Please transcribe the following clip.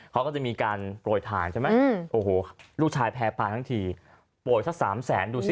เขาก็จะมีการโรยทางลูกชายแพร่ปลาทั้งทีโรยสัก๓แสนดูสิ